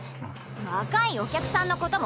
若いお客さんのことも。